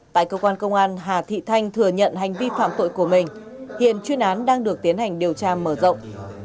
tại cơ quan công an hà thị thanh thừa nhận hành vi phạm tội của mình hiện chuyên án đang được tiến hành điều tra mở rộng